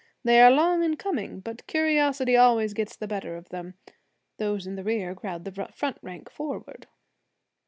They are long in coming, but curiosity always gets the better of them; those in the rear crowd the front rank forward.